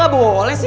masuk gak boleh sih